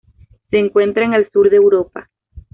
Se encuentra en el sur de Europa.